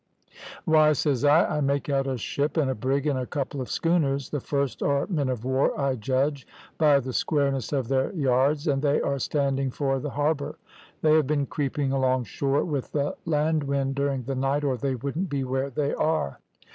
"`Why,' says I, `I make out a ship, and a brig, and a couple of schooners. The first are men of war, I judge, by the squareness of their yards, and they are standing for the harbour. They have been creeping along shore with the land wind during the night, or they wouldn't be where they are.'